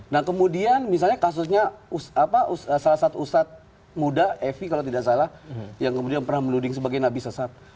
nah kemudian misalnya kasusnya salah satu ustadz muda evi kalau tidak salah yang kemudian pernah menuding sebagai nabi sesat